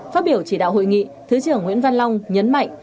phát biểu chỉ đạo hội nghị thứ trưởng nguyễn văn long nhấn mạnh